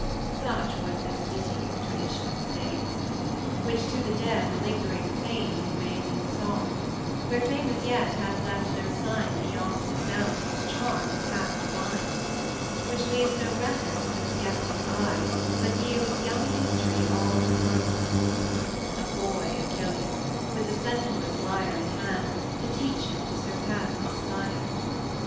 [fj] V. Such was this ditty of Tradition's days, Which to the dead a lingering fame conveys 80 In song, where Fame as yet hath left no sign Beyond the sound whose charm is half divine; Which leaves no record to the sceptic eye, But yields young History all to Harmony; A boy Achilles, with the Centaur's lyre In hand, to teach him to surpass his sire.